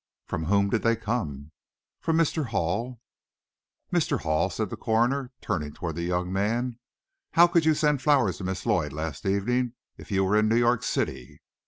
"From whom did they come?" "From Mr. Hall." "Mr. Hall," said, the coroner, turning toward the young man, "how could you send flowers to Miss Lloyd last evening if you were in New York City?"